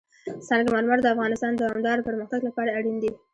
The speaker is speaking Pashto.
سنگ مرمر د افغانستان د دوامداره پرمختګ لپاره اړین دي.